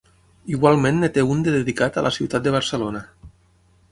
Igualment en té un de dedicat a la ciutat de Barcelona.